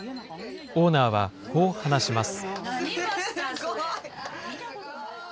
オーナーはこう話します。